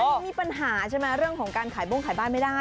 มันมีปัญหาใช่ไหมเรื่องของการขายบุ้งขายบ้านไม่ได้